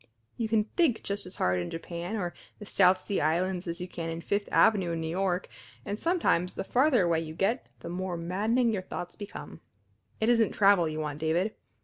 You can think just as hard in Japan or the South Sea Islands as you can on Fifth Avenue in New York, and sometimes the farther away you get the more maddening your thoughts become. It isn't travel you want, David.